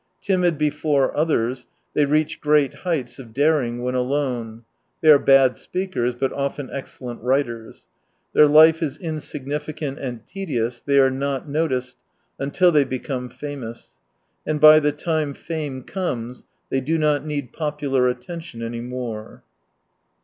Timid before others, they reach great heights of daring when alone. They are bad speakers — but often excellent writers. Their life is insigni ficant and tedious, they are not noticed, — until they become famous. And by the time fame comes, they do not need popular attention any more.